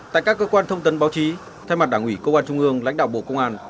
tại các cơ quan thông tấn báo chí thay mặt đảng ủy công an trung ương lãnh đạo bộ công an